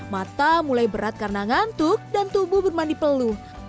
mata mulai berat karena ngantuk dan tubuh bermandi peluh